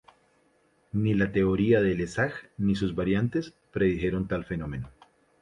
Ni la teoría de Le Sage ni sus variantes predijeron tal fenómeno.